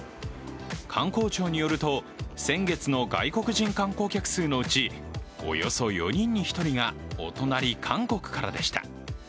観光庁によると、先月の外国人観光客数のうちおよそ４人の１人がお隣・韓国からでした。